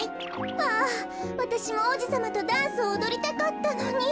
あぁわたしもおうじさまとダンスをおどりたかったのに。